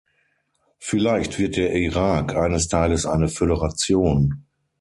Vielleicht wird der Irak eines Tages eine Föderation.